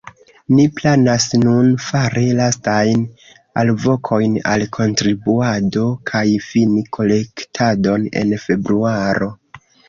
Ni planas nun fari lastajn alvokojn al kontribuado kaj fini kolektadon en februaro.